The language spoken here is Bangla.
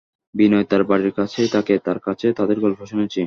বিনয় তাঁর বাড়ির কাছেই থাকে, তার কাছে তাঁদের গল্প শুনেছি।